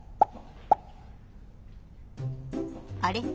あれ？